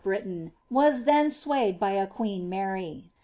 Britain, was then swayed by t queen Mary.